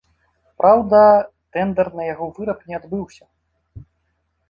Праўда, тэндар на яго выраб не адбыўся.